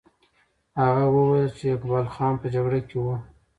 هغه وویل چې اقبال خان په جګړه کې وو.